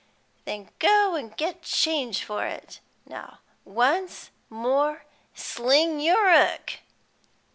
"Then go an' get change for it. Now, once more, sling yer 'ook."